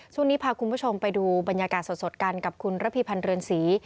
ช่วงนี้พาคุณผู้ชมไปดูบรรยากาศสดกันกับคุณระพีพันธ์เรือนศรี